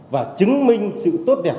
và chứng minh sự tốt đẹp